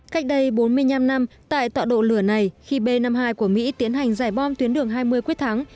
cách đây bốn mươi năm năm tại tọa độ lửa này khi b năm mươi hai của mỹ tiến hành giải bom tuyến đường hai mươi quyết thắng